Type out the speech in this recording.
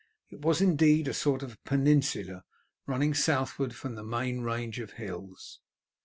It was, indeed, a sort of peninsula running southward from the main range of hills.